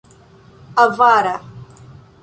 Avara.